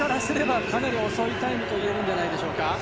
かなり遅いタイムといえるんじゃないでしょうか。